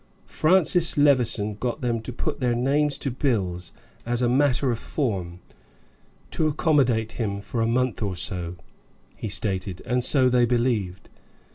Francis Levison got them to put their names to bills, 'as a matter of form, to accommodate him for a month or so,' he stated, and so they believed.